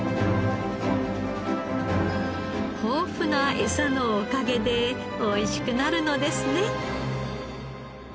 豊富な餌のおかげでおいしくなるのですね。